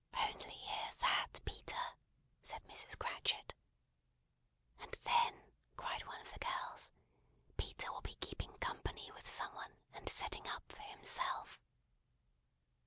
"Only hear that, Peter," said Mrs. Cratchit. "And then," cried one of the girls, "Peter will be keeping company with some one, and setting up for himself."